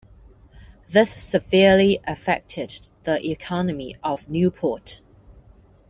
This severely affected the economy of Newport.